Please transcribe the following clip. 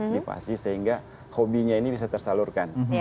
di fasi sehingga hobinya ini bisa tersalurkan